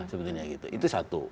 sebenarnya gitu itu satu